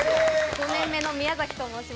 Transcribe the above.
５年目の宮と申します。